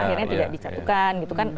akhirnya tidak dicatukan gitu kan